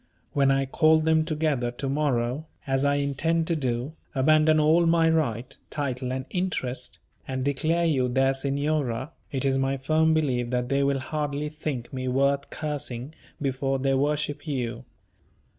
When I call them together to morrow, as I intend to do, abandon all my right, title, and interest, and declare you their Signora, it is my firm belief that they will hardly think me worth cursing before they worship you.